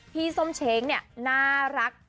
ส้มเช้งเนี่ยน่ารัก